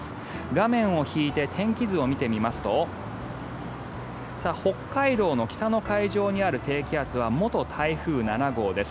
画面を引いて天気図を見てみますと北海道の北の海上にある低気圧は元台風７号です。